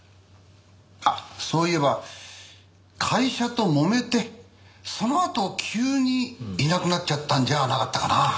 あっそういえば会社ともめてそのあと急にいなくなっちゃったんじゃなかったかな？